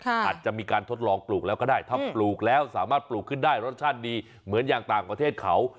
อาจจะมีการทดลองปลูกแล้วก็ได้ถ้าปลูกแล้วสามารถปลูกขึ้นได้รสชาติดีเหมือนอย่างต่างประเทศเขา